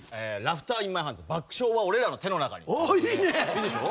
いいでしょ？